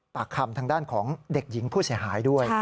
ปากคำทางด้านของเด็กหญิงผู้เสียหายด้วย